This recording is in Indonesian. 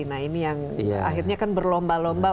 nah ini yang akhirnya kan berlomba lomba